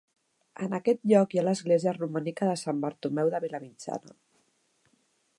En aquest lloc hi ha l'església romànica de Sant Bartomeu de Vilamitjana.